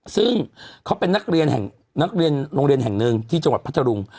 ซึ่งเขาเป็นนักเรียนโรงเรียนแห่งหนึ่งที่จังหวัดพัทธรุง